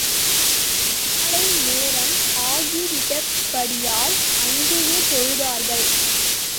மாலை நேரம் ஆகிவிட்டபடியால், அங்கேயே தொழுதார்கள்.